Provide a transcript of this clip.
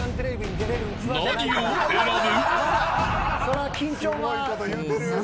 何を選ぶ。